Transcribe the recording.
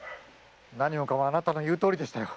何もかもあなたの言うとおりでしたよ。